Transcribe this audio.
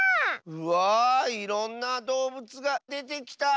うわいろんなどうぶつがでてきた！